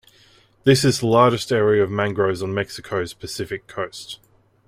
This is the largest area of mangroves on Mexico's Pacific coast.